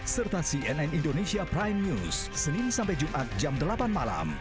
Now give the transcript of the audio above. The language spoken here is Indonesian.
serta cnn indonesia prime news senin sampai jumat jam delapan malam